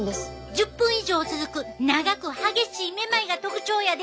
１０分以上続く長く激しいめまいが特徴やで！